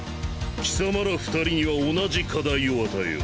貴様ら２人には同じ課題を与えよう。